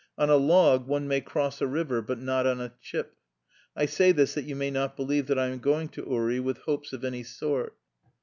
On a log one may cross a river but not on a chip. I say this that you may not believe that I am going to Uri with hopes of any sort.